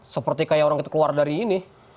seperti kayak orang kita keluar dari ini